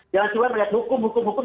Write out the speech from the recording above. jangan cuma melihat hukum hukum hukum